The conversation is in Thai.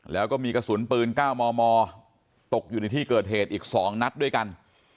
แล้วก็มีกระสุนปืน๙มมตกอยู่ในที่เกิดเหตุอีก๒นัดด้วยกัน